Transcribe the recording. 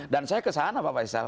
saya kesana pak faisal